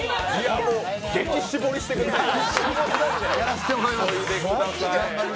激絞りしてくださいよ。